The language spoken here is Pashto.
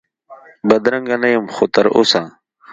بدرنګه نه یم خو تراوسه،